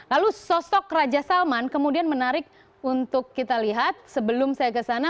lalu sosok raja salman kemudian menarik untuk kita lihat sebelum saya kesana